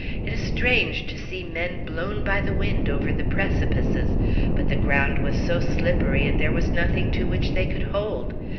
It is strange to see men blown by the wind over the precipices, but the ground was so slippery and there was nothing to which they could hold.